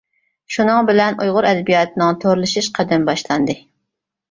شۇنىڭ بىلەن ئۇيغۇر ئەدەبىياتىنىڭ تورلىشىش قەدىمى باشلاندى.